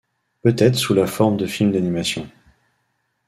Peut-être sous la forme de films d’animation.